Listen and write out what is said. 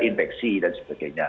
infeksi dan sebagainya